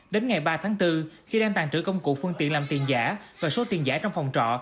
đến ngày ba tháng bốn khi đang tàn trữ công cụ phương tiện làm tiền giả và số tiền giả trong phòng trọ